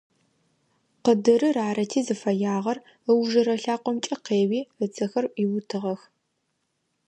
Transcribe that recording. Къыдырыр арыти зыфэягъэр, ыужырэ лъакъомкӀэ къеуи, ыцэхэр Ӏуиутыгъэх.